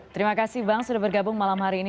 terima kasih bang sudah bergabung malam hari ini